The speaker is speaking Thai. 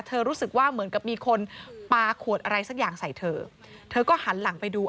รู้สึกว่าเหมือนกับมีคนปลาขวดอะไรสักอย่างใส่เธอเธอก็หันหลังไปดู